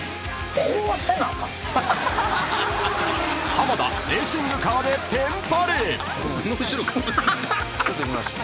［浜田レーシングカーでテンパる］